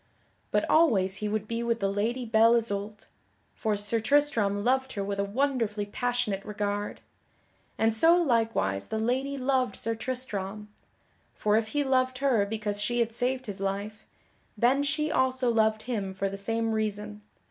But always he would be with the Lady Belle Isoult, for Sir Tristram loved her with a wonderfully passionate regard. And so likewise the lady loved Sir Tristram. For if he loved her because she had saved his life, then she also loved him for the same reason.